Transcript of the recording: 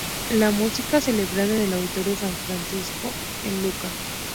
La música" celebrado en el auditorio San Francesco en Lucca.